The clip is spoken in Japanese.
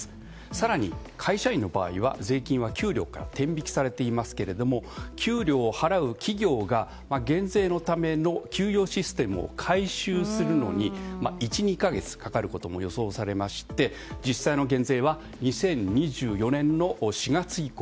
更に、会社員の場合は、税金は給料から天引きされていますが給料を払う企業が減税のための給与システムを改修するのに１２か月かかることも予想されまして、実際の減税は２０２４年の４月以降。